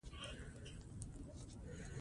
ځنګلونه د افغانانو د تفریح یوه وسیله ده.